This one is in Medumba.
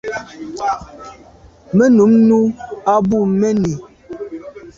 Me num nu à bû mèn i.